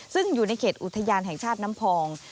ซึ่งอยู่ในเขตอุทยานแห่งชาติน้ำพอง